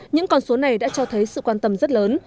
những con số này đã cho thấy sự quan tâm rất lớn